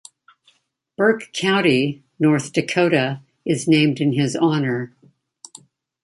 Burke County, North Dakota is named in his honor.